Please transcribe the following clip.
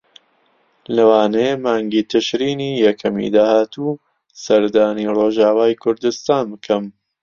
لەوانەیە مانگی تشرینی یەکەمی داهاتوو سەردانی ڕۆژاوای کوردستان بکەم.